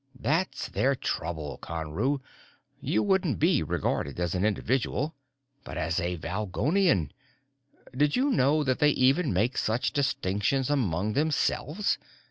That's their trouble, Conru: you wouldn't be regarded as an individual, but as a Valgolian. Did you know that they even make such distinctions among themselves?